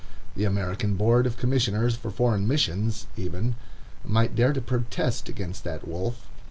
"The American Board of Commissioners for Foreign Missions" even, might dare to protest against that wolf.